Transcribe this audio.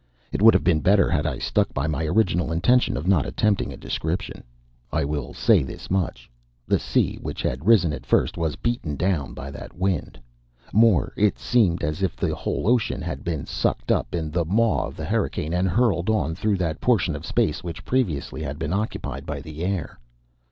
It would have been better had I stuck by my original intention of not attempting a description. I will say this much: The sea, which had risen at first, was beaten down by that wind. More: it seemed as if the whole ocean had been sucked up in the maw of the hurricane, and hurled on through that portion of space which previously had been occupied by the air.